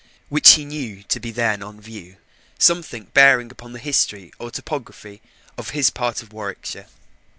which he knew to be then on view, something bearing upon the history or topography of his part of Warwickshire.